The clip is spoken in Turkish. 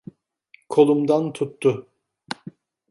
Kolumdan tuttu.